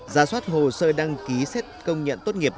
ra soát hồ sơ đăng ký xét công nhận tốt nghiệp